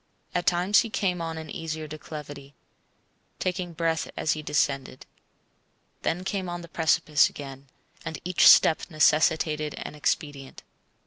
At times he came on an easier declivity, taking breath as he descended; then came on the precipice again, and each step necessitated an expedient.